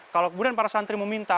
kalau kemudian para santri meminta